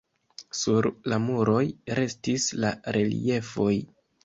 Sur la muroj restis la reliefoj.